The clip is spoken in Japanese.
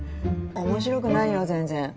面白くないよ全然。